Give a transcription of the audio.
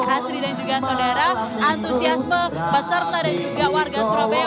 asri dan juga saudara antusiasme peserta dan juga warga surabaya